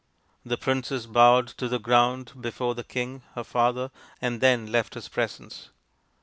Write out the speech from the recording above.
The princess bowed to the ground before the king, her father, and then left his presence.